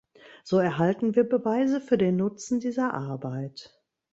So erhalten wir Beweise für den Nutzen dieser Arbeit.